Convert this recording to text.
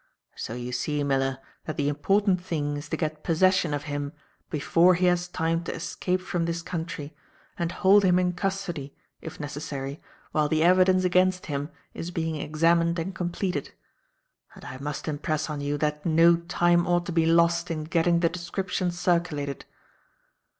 So you see, Miller, that the important thing is to get possession of him before he has time to escape from this country, and hold him in custody, if necessary, while the evidence against him is being examined and completed. And I must impress on you that no time ought to be lost in getting the description circulated."